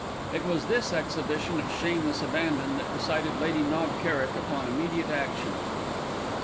It was this exhibition of shameless abandon that decided Lady Knob Kerrick upon immediate action.